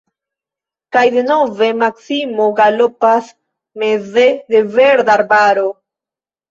Kaj denove Maksimo galopas meze de verda arbaro!